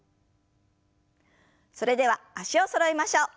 それでは脚をそろえましょう。